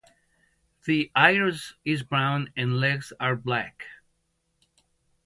The iris is brown and legs are black.